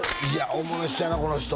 おもろい人やなこの人